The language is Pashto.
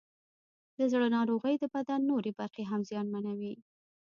د زړه ناروغۍ د بدن نورې برخې هم زیانمنوي.